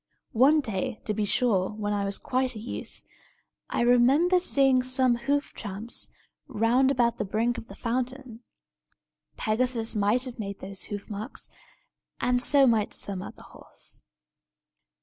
One day, to be sure, when I was quite a youth, I remember seeing some hoof tramps round about the brink of the fountain. Pegasus might have made those hoof marks; and so might some other horse."